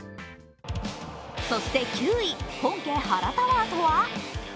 そして９位、本家原タワーとは。